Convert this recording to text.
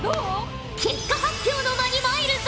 結果発表の間にまいるぞ。